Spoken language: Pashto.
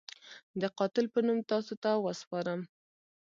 د قاتل په نوم تاسو ته وسپارم.